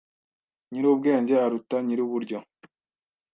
Nyiri ubwenge aruta nyiri uburyo